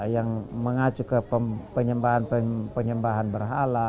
yang mengacu ke penyembahan berhala